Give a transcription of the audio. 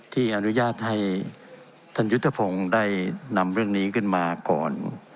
ที่อนุญาตให้ท่านยุทธพงศ์ได้นำเรื่องนี้ขึ้นมาก่อน